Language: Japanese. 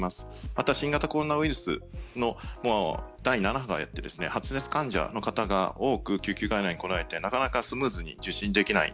また新型コロナウイルスの第７波がやって来ていて発熱患者の方が救急外来に来られてなかなかスムーズに受診できない。